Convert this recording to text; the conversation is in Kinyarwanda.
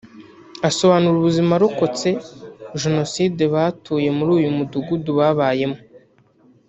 Asobanura ubuzima abarokotse Jenoside batuye muri uyu mudugudu babayemo